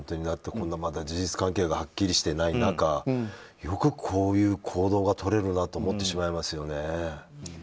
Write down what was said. だって、まだ事実関係がはっきりしてない中よくこういう行動がとれるなと思ってしまいますよね。